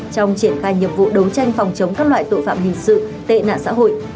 trong triển khai nhiệm vụ đấu tranh phòng chống các loại tội phạm hình sự tệ nạn xã hội